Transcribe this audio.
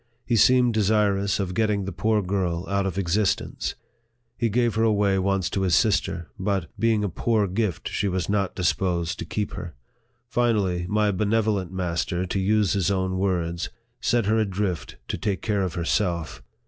He seemed desirous of get ting the poor girl out of existence. He gave her away once to his sister ; but, being a poor gift, she was not disposed to keep her. Finally, my benevolent master, to use his own words, " set her adrift to take care of herself."